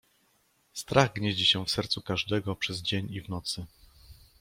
"Strach gnieździ się w sercu każdego przez dzień i w nocy."